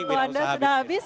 dokter anda sudah habis